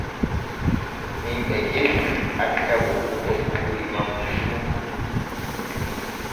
Himɓe genni acca woppugo buuri nokku fu.